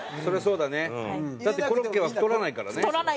だってコロッケは太らないからね。